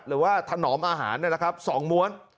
หรือว่าถนอมอาหารนะครับ๒ม้วน